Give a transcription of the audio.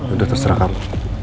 udah terserah kamu